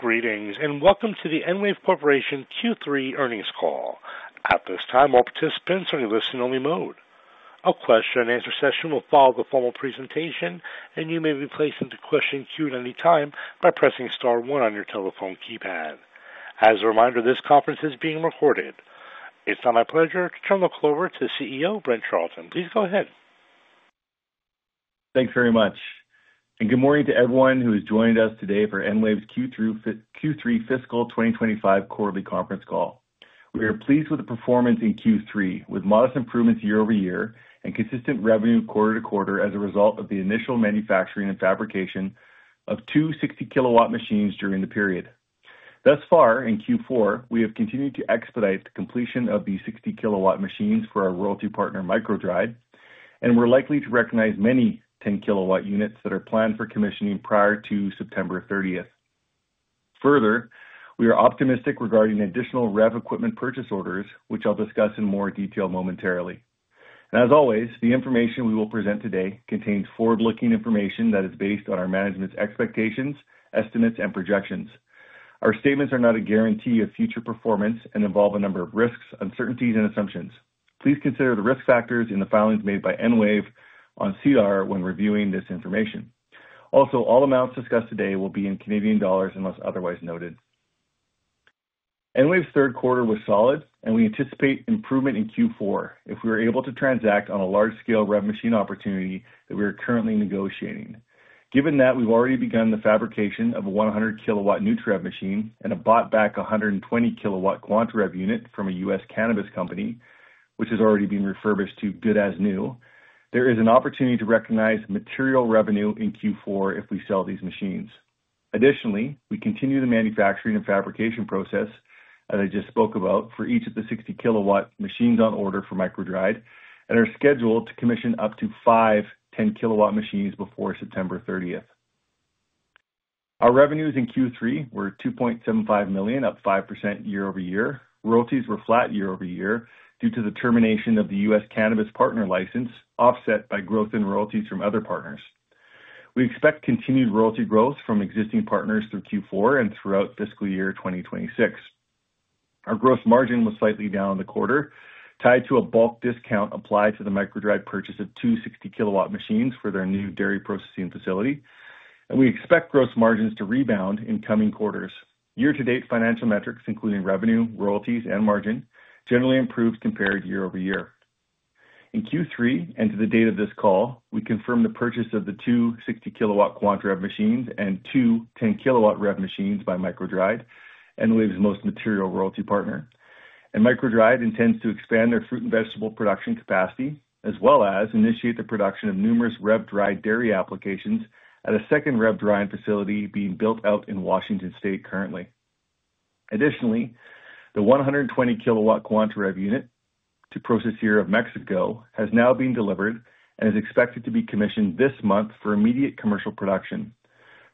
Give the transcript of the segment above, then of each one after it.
Greetings and welcome to the EnWave Corporation Q3 Earnings call. At this time, all participants are in a listen-only mode. A question-and-answer session will follow the formal presentation, and you may be placed into question queue at any time by pressing Star, one on your telephone keypad. As a reminder, this conference is being recorded. It's now my pleasure to turn the call over to the CEO, Brent Charleton. Please go ahead. Thanks very much. Good morning to everyone who has joined us today for EnWave's Q3 fiscal 2025 quarterly conference call. We are pleased with the performance in Q3, with modest improvements year-over-year and consistent revenue quarter-to-quarter as a result of the initial manufacturing and fabrication of two 60 kW machines during the period. Thus far, in Q4, we have continued to expedite the completion of the 60 kW machines for our royalty partner, MicroDried, and we're likely to recognize many 10 kW machines that are planned for commissioning prior to September 30. Further, we are optimistic regarding additional REV equipment purchase orders, which I'll discuss in more detail momentarily. As always, the information we will present today contains forward-looking information that is based on our management's expectations, estimates, and projections. Our statements are not a guarantee of future performance and involve a number of risks, uncertainties, and assumptions. Please consider the risk factors in the filings made by EnWave on SEDAR when reviewing this information. All amounts discussed today will be in Canadian dollars unless otherwise noted. EnWave's third quarter was solid, and we anticipate improvement in Q4 if we are able to transact on a large-scale REV machine opportunity that we are currently negotiating. Given that we've already begun the fabrication of a 100 kW nutraREV machine and a bought-back 120 kW quantaREV unit from a U.S. cannabis company, which has already been refurbished to good as new, there is an opportunity to recognize material revenue in Q4 if we sell these machines. Additionally, we continue the manufacturing and fabrication process that I just spoke about for each of the 60 kW machines on order for MicroDried and are scheduled to commission up to five 10 kW machines before September 30. Our revenues in Q3 were $2.75 million, up 5% year-over-year. Royalties were flat year-over-year due to the termination of the U.S. cannabis partner license, offset by growth in royalties from other partners. We expect continued royalty growth from existing partners through Q4 and throughout fiscal year 2026. Our gross margin was slightly down in the quarter, tied to a bulk discount applied to the MicroDried purchase of two 60 kW machines for their new dairy processing facility, and we expect gross margins to rebound in coming quarters. Year-to-date financial metrics, including revenue, royalties, and margin, generally improved compared year-over-year. In Q3, and to the date of this call, we confirmed the purchase of the two 60 kW quantaREV machines and two 10 kW machines by MicroDried, EnWave's most material royalty partner, and MicroDried intends to expand their fruit and vegetable production capacity, as well as initiate the production of numerous REV-dried dairy applications at a second REV-drying facility being built out in Washington State currently. Additionally, the 120 kW quantaREV unit to Procescir of Mexico has now been delivered and is expected to be commissioned this month for immediate commercial production.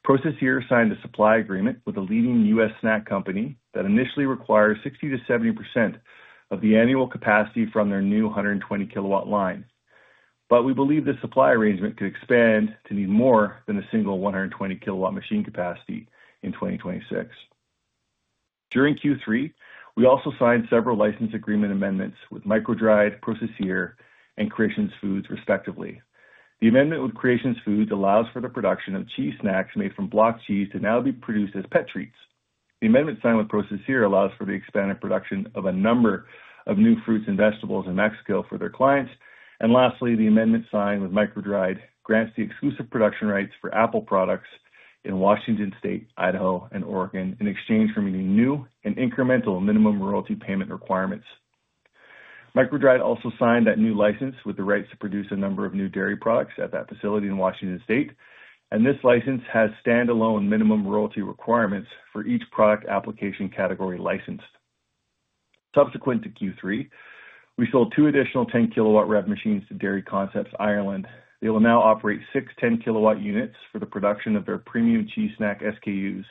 Procescir. signed a supply agreement with a leading U.S. snack company that initially requires 60%-70% of the annual capacity from their new 120 kW line, but we believe the supply arrangement could expand to need more than a single 120 kW machine capacity in 2026. During Q3, we also signed several license agreement amendments with MicroDried, Procescir., and Creations Foods, respectively. The amendment with Creations Foods allows for the production of cheese snacks made from block cheese to now be produced as pet treats. The amendment signed with Procescir allows for the expanded production of a number of new fruits and vegetables in Mexico for their clients. Lastly, the amendment signed with MicroDried grants the exclusive production rights for apple products in Washington State, Idaho, and Oregon in exchange for meeting new and incremental minimum royalty payment requirements. MicroDried also signed that new license with the rights to produce a number of new dairy products at that facility in Washington State, and this license has standalone minimum royalty requirements for each product application category licensed. Subsequent to Q3, we sold two additional 10 kW REV machines to Dairy Concepts Ireland. They will now operate six 10kWt units for the production of their premium cheese snack SKUs.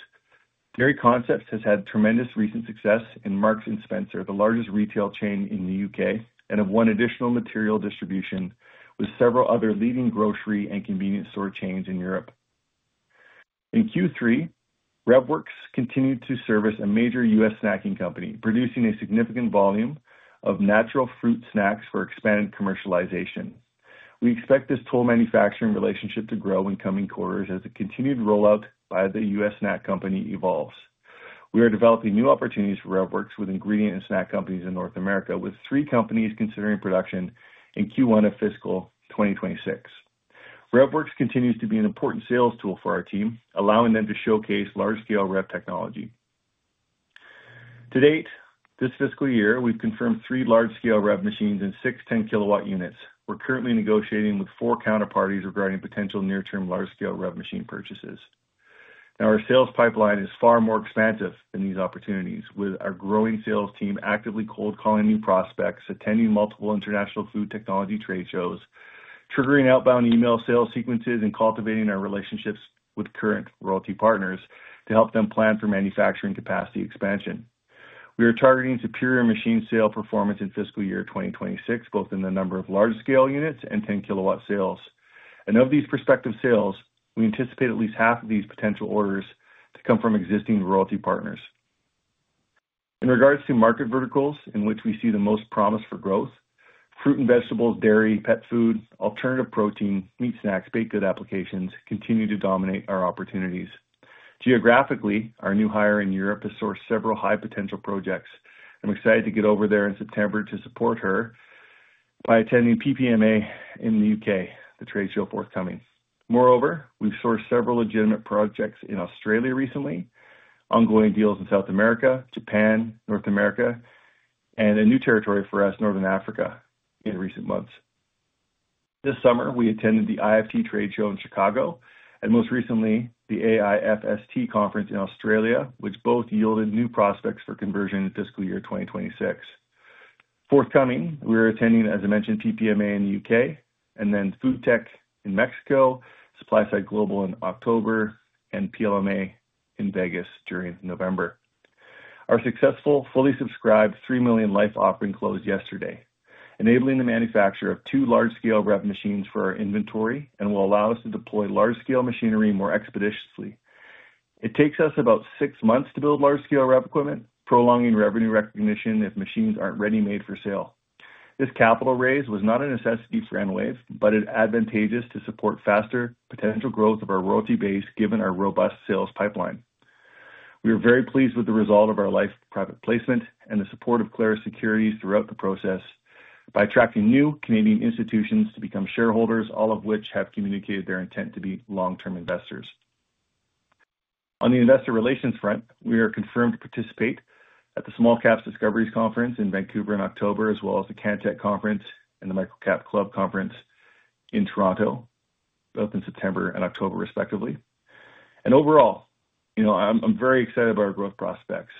Dairy Concepts Ireland has had tremendous recent success and marks in Spencer, the largest retail chain in the U.K., and of one additional material distribution with several other leading grocery and convenience store chains in Europe. In Q3, Revworx continued to service a major U.S. snacking company, producing a significant volume of natural fruit snacks for expanded commercialization. We expect this toll manufacturing relationship to grow in coming quarters as a continued rollout by the U.S. snack company evolves. We are developing new opportunities for Revworx with ingredient and snack companies in North America, with three companies considering production in Q1 of fiscal 2026. Revworx continues to be an important sales tool for our team, allowing them to showcase large-scale REV technology. To date, this fiscal year, we've confirmed three large-scale REV machines and six 10 kW units. We're currently negotiating with four counterparties regarding potential near-term large-scale REV machine purchases. Our sales pipeline is far more expansive than these opportunities, with our growing sales team actively cold calling new prospects, attending multiple international food technology trade shows, triggering outbound email sales sequences, and cultivating our relationships with current royalty partners to help them plan for manufacturing capacity expansion. We are targeting superior machine sale performance in fiscal year 2026, both in the number of large-scale units and 10 kW sales. Of these prospective sales, we anticipate at least half of these potential orders to come from existing royalty partners. In regards to market verticals in which we see the most promise for growth, fruit and vegetables, dairy, pet food, alternative protein, meat snacks, baked good applications continue to dominate our opportunities. Geographically, our new hire in Europe has sourced several high-potential projects. I'm excited to get over there in September to support her by attending PPMA in the U.K., the trade show forthcoming. Moreover, we've sourced several legitimate projects in Australia recently, ongoing deals in South America, Japan, North America, and a new territory for us, Northern Africa, in recent months. This summer, we attended the IFT trade show in Chicago and most recently the AIFST conference in Australia, which both yielded new prospects for conversion in fiscal year 2026. Forthcoming, we are attending, as I mentioned, PPMA in the U.K. and then FoodTech in Mexico, SupplySide Global in October, and PLMA in Vegas during November. Our successful fully subscribed $3 million live offering closed yesterday, enabling the manufacture of two large-scale REV machines for our inventory and will allow us to deploy large-scale machinery more expeditiously. It takes us about six months to build large-scale REV equipment, prolonging revenue recognition if machines aren't ready made for sale. This capital raise was not a necessity for EnWave, but it's advantageous to support faster potential growth of our royalty base, given our robust sales pipeline. We are very pleased with the result of our latest private placement and the support of Clarus Securities throughout the process by attracting new Canadian institutions to become shareholders, all of which have communicated their intent to be long-term investors. On the investor relations front, we are confirmed to participate at the Small Caps Discoveries Conference in Vancouver in October, as well as the Cantech Conference and the MicroCap Club Conference in Toronto, both in September and October, respectively. Overall, I'm very excited about our growth prospects.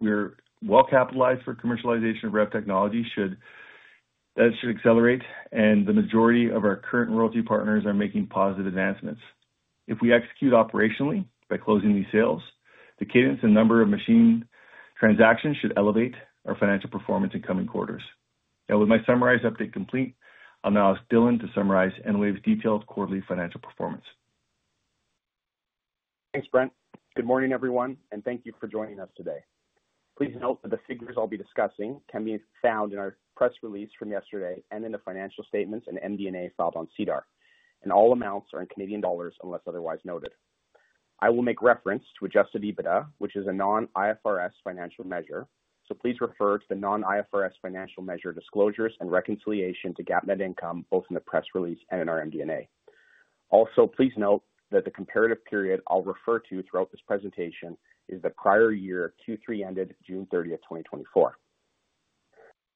We're well-capitalized for commercialization of REV technology. That should accelerate, and the majority of our current royalty partners are making positive advancements. If we execute operationally by closing these sales, the cadence and number of machine transactions should elevate our financial performance in coming quarters. Now, with my summarized update complete, I'll now ask Dylan to summarize EnWave's detailed quarterly financial performance. Thanks, Brent. Good morning, everyone, and thank you for joining us today. Please note that the figures I'll be discussing can be found in our press release from yesterday and in the financial statements and MD&A filed on SEDAR, and all amounts are in Canadian dollars unless otherwise noted. I will make reference to adjusted EBITDA, which is a non-IFRS financial measure, so please refer to the non-IFRS financial measure disclosures and reconciliation to GAAP net income, both in the press release and in our MD&A. Also, please note that the comparative period I'll refer to throughout this presentation is the prior year Q3 ended June 30, 2023.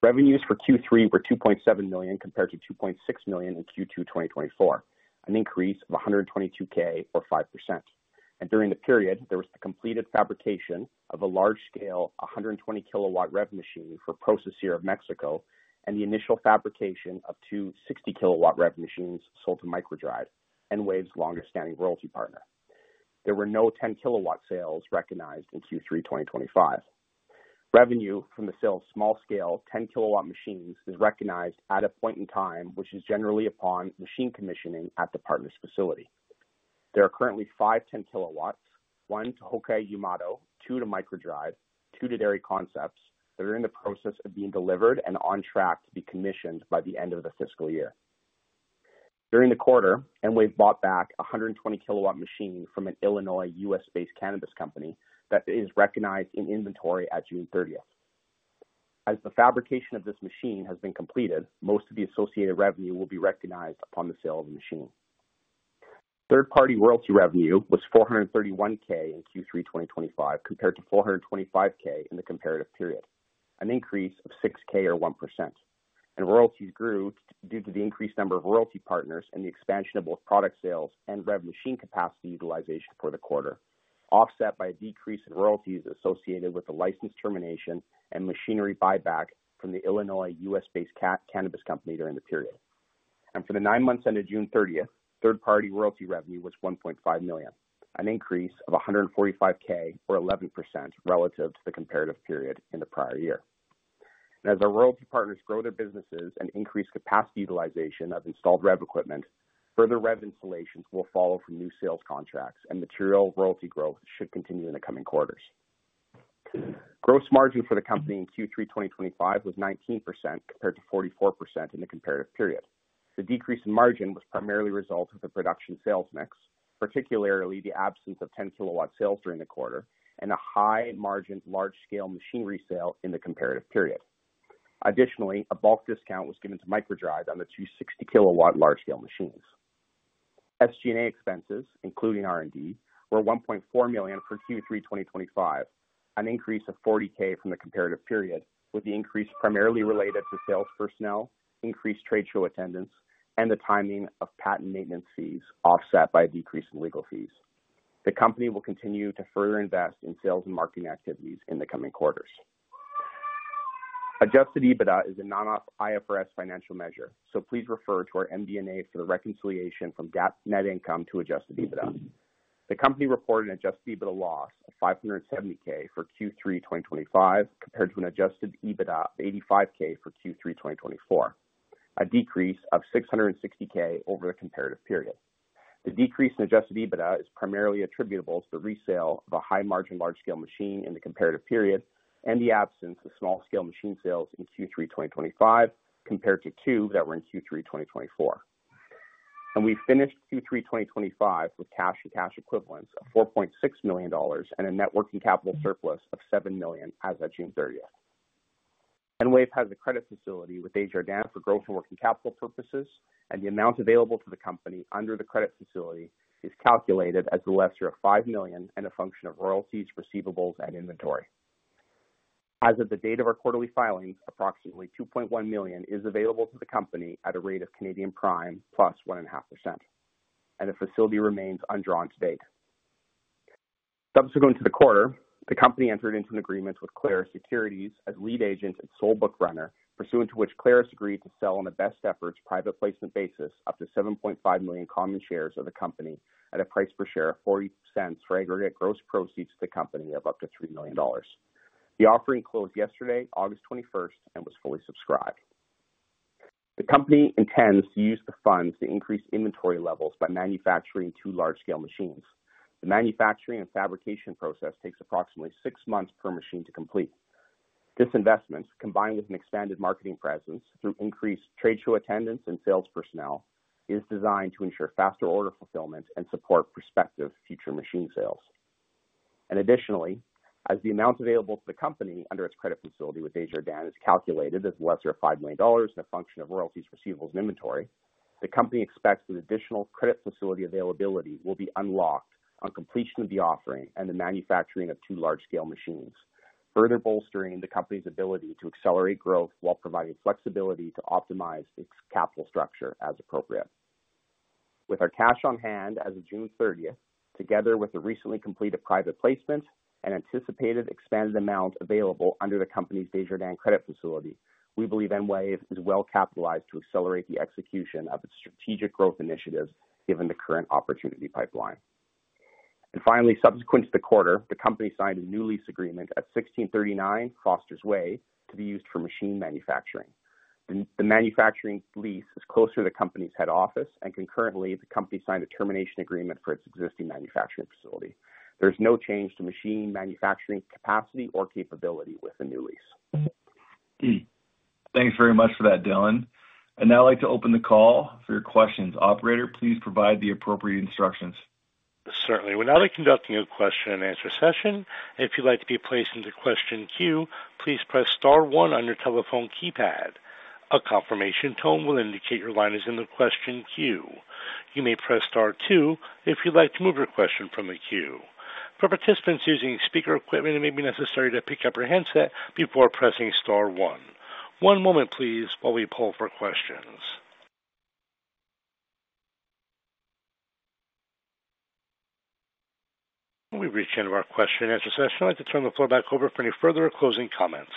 Revenues for Q3 were $2.7 million compared to $2.6 million in Q2 2024, an increase of $122,000 or 5%. During the period, there was the completed fabrication of a large-scale 120 kW REV machine for Procescir of Mexico and the initial fabrication of two 60 kW REV machines sold to MicroDried, EnWave's longest-standing royalty partner. There were no 10 kW sales recognized in Q3 2024. Revenue from the sale of small-scale 10 kW machines is recognized at a point in time, which is generally upon machine commissioning at the partner's facility. There are currently five 10 kW machines, one to Hokkai Yamato, two to MicroDried, and two to Dairy Concepts, that are in the process of being delivered and on track to be commissioned by the end of the fiscal year. During the quarter, EnWave bought back a 120 kW machine from an Illinois U.S.-based cannabis company that is recognized in inventory at June 30th. As the fabrication of this machine has been completed, most of the associated revenue will be recognized upon the sale of the machine. Third-party royalty revenue was $431,000 in Q3 2024 compared to $425,000 in the comparative period, an increase of $6,000 or 1%. Royalties grew due to the increased number of royalty partners and the expansion of both product sales and REV machine capacity utilization for the quarter, offset by a decrease in royalties associated with the license termination and machinery buyback from the Illinois U.S.-based cannabis company during the period. For the nine months ended June 30th, third-party royalty revenue was $1.5 million, an increase of $145,000 or 11% relative to the comparative period in the prior year. As our royalty partners grow their businesses and increase capacity utilization of installed REV equipment, further REV installations will follow from new sales contracts, and material royalty growth should continue in the coming quarters. Gross margin for the company in Q3 2025 was 19% compared to 44% in the comparative period. The decrease in margin was primarily a result of the production sales mix, particularly the absence of 10 kW sales during the quarter and a high margin large-scale machinery sale in the comparative period. Additionally, a bulk discount was given to MicroDried on the two 60 kW large-scale machines. SG&A expenses, including R&D, were $1.4 million for Q3 2025, an increase of $40,000 from the comparative period, with the increase primarily related to sales personnel, increased trade show attendance, and the timing of patent maintenance fees offset by a decrease in legal fees. The company will continue to further invest in sales and marketing activities in the coming quarters. Adjusted EBITDA is a non-IFRS financial measure, so please refer to our MD&A for the reconciliation from GAAP net income to adjusted EBITDA. The company reported an adjusted EBITDA loss of $570,000 for Q3 2025 compared to an adjusted EBITDA of $85,000 for Q3 2024, a decrease of $660,000 over the comparative period. The decrease in adjusted EBITDA is primarily attributable to the resale of a high margin large-scale machine in the comparative period and the absence of small-scale machine sales in Q3 2025 compared to two that were in Q3 2024. We finished Q3 2025 with cash and cash equivalents of $4.6 million and a net working capital surplus of $7 million as of June 30th. EnWave has a credit facility with Desjardins Group for growth and working capital purposes, and the amount available to the company under the credit facility is calculated as the lesser of $5 million and a function of royalties, receivables, and inventory. As of the date of our quarterly filings, approximately $2.1 million is available to the company at a rate of Canadian prime plus 1.5%, and the facility remains undrawn to date. Subsequent to the quarter, the company entered into an agreement with Clarus Securities as lead agent and sole book runner, pursuant to which Clarus agreed to sell on a best efforts private placement basis up to 7.5 million common shares of the company at a price per share of $0.40 for aggregate gross proceeds to the company of up to $3 million. The offering closed yesterday, August 21st, and was fully subscribed. The company intends to use the funds to increase inventory levels by manufacturing two large-scale machines. The manufacturing and fabrication process takes approximately six months per machine to complete. This investment, combined with an expanded marketing presence through increased trade show attendance and sales personnel, is designed to ensure faster order fulfillment and support prospective future machine sales. Additionally, as the amount available to the company under its credit facility with Desjardins Group is calculated as the lesser of $5 million and a function of royalties, receivables, and inventory, the company expects that additional credit facility availability will be unlocked on completion of the offering and the manufacturing of two large-scale machines, further bolstering the company's ability to accelerate growth while providing flexibility to optimize its capital structure as appropriate. With our cash on hand as of June 30th, together with the recently completed private placement and anticipated expanded amount available under the company's Desjardins Group credit facility, we believe EnWave is well-capitalized to accelerate the execution of its strategic growth initiatives given the current opportunity pipeline. Finally, subsequent to the quarter, the company signed a new lease agreement at 1639 Fosters Way to be used for machine manufacturing. The manufacturing lease is closer to the company's head office, and concurrently, the company signed a termination agreement for its existing manufacturing facility. There is no change to machine manufacturing capacity or capability with the new lease. Thanks very much for that, Dylan. I'd now like to open the call for your questions. Operator, please provide the appropriate instructions. Certainly. We're now conducting a question and answer session. If you'd like to be placed into the question queue, please press Star, one on your telephone keypad. A confirmation tone will indicate your line is in the question queue. You may press Star, two if you'd like to remove your question from the queue. For participants using speaker equipment, it may be necessary to pick up your headset before pressing Star, one. One moment, please, while we poll for questions. We've reached the end of our question and answer session. I'd like to turn the floor back over for any further or closing comments.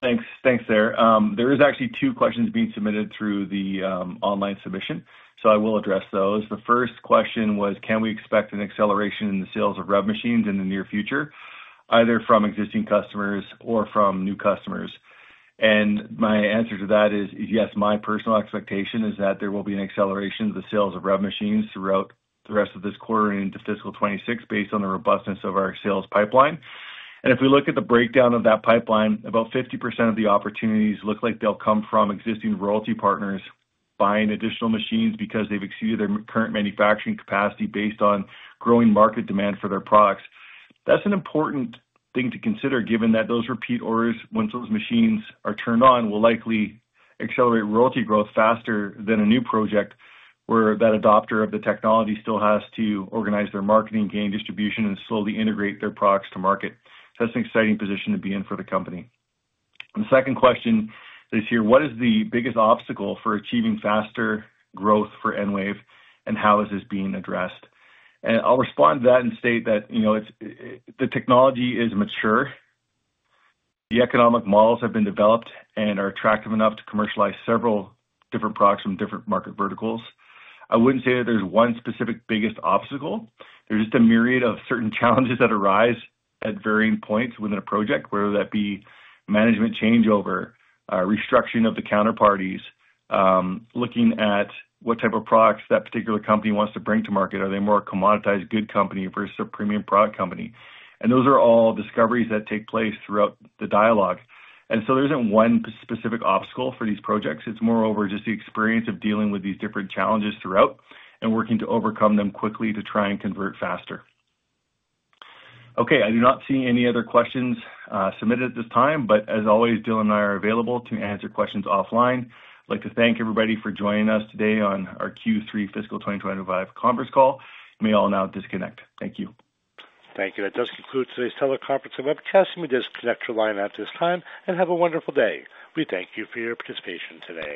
Thanks. Thanks, sir. There are actually two questions being submitted through the online submission, so I will address those. The first question was, can we expect an acceleration in the sales of REV machines in the near future, either from existing customers or from new customers? My answer to that is yes. My personal expectation is that there will be an acceleration of the sales of REV machines throughout the rest of this quarter and into fiscal 2026, based on the robustness of our sales pipeline. If we look at the breakdown of that pipeline, about 50% of the opportunities look like they'll come from existing royalty partners buying additional machines because they've exceeded their current manufacturing capacity based on growing market demand for their products. That's an important thing to consider, given that those repeat orders, once those machines are turned on, will likely accelerate royalty growth faster than a new project where that adopter of the technology still has to organize their marketing, gain distribution, and slowly integrate their products to market. That's an exciting position to be in for the company. The second question is here, what is the biggest obstacle for achieving faster growth for EnWave, and how is this being addressed? I'll respond to that and state that, you know, the technology is mature. The economic models have been developed and are attractive enough to commercialize several different products from different market verticals. I wouldn't say that there's one specific biggest obstacle. There's just a myriad of certain challenges that arise at varying points within a project, whether that be management changeover, restructuring of the counterparties, looking at what type of products that particular company wants to bring to market. Are they more a commoditized good company versus a premium product company? Those are all discoveries that take place throughout the dialogue. There isn't one specific obstacle for these projects. It's more over just the experience of dealing with these different challenges throughout and working to overcome them quickly to try and convert faster. Okay, I do not see any other questions submitted at this time, but as always, Dylan and I are available to answer questions offline. I'd like to thank everybody for joining us today on our Q3 fiscal 2025 conference call. We may all now disconnect. Thank you. Thank you. That does conclude today's teleconference and webcast. We may disconnect your line at this time and have a wonderful day. We thank you for your participation today.